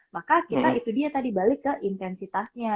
maka kita itu dia tadi balik ke intensitasnya